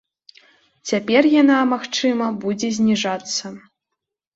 Цяпер яна, магчыма, будзе зніжацца.